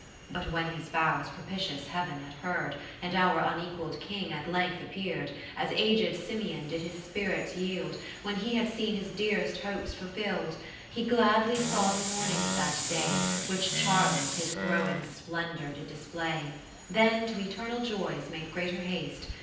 But when his vows propitious Heaven had heard, And our unequall'd King at length appear'd. As aged Simeon did his spirits yield. When he had seen his dearest hopes fulfiU'd ; He gladly saw the morning of that day, Wliich Charles his growing splendour did display ; 50 Then to eternal joys made greater haste.